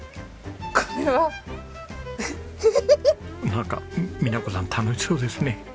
なんか美奈子さん楽しそうですね！